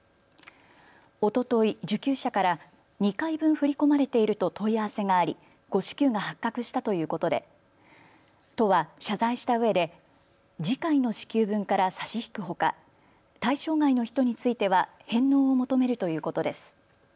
おととい受給者から２回分振り込まれていると問い合わせがあり誤支給が発覚したということで都は謝罪したうえで次回の支給分から差し引くほか対象外の人については返納を求めるということです。